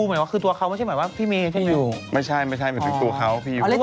สวัสดีค่ะสวัสดีค่ะ